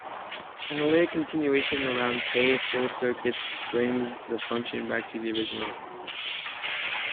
Analytic continuation around "k" full circuits brings the function back to the original.